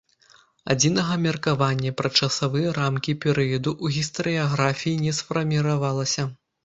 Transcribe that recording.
Адзінага меркавання пра часавыя рамкі перыяду ў гістарыяграфіі не сфарміравалася.